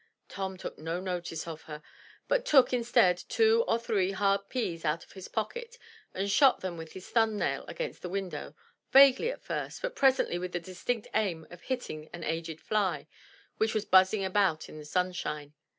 Tom took no notice of her, but took, instead, two or three hard peas out of his pocket, and shot them with his thumb nail against the window, vaguely at first, but presently with the distinct aim of hitting an aged fly which was buzzing about in the sunshine.